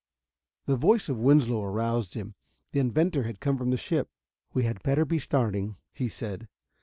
The voice of Winslow aroused him. The inventor had come from his ship. "We had better be starting," he said.